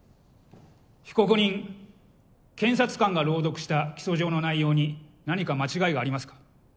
被告人検察官が朗読した起訴状の内容に何か間違いがありますか？